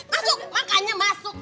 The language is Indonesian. masuk makanya masuk